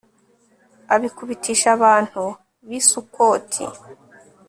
abikubitisha abantu b'i sukoti